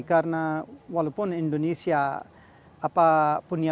karena walaupun indonesia punya banyak sumber daya